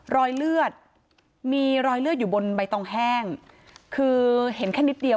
รอยเลือดมีรอยเลือดอยู่บนใบตองแห้งคือเห็นแค่นิดเดียว